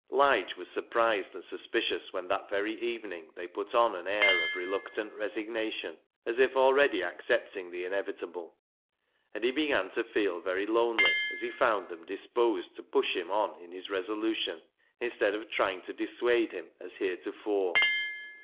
Lige was surprised and suspicious when that very evening they put on an air of reluctant resignation as if already accepting the inevitable, and he began to feel very lonely as he found them disposed to push him on in his resolution instead of trying to dissuade him as heretofore.